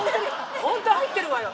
本当に入ってるわよ。